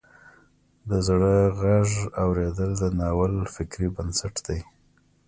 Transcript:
د زړه غږ اوریدل د ناول فکري بنسټ دی.